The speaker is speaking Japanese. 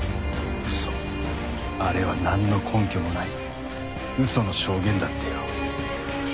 あれはなんの根拠もない嘘の証言だってよ。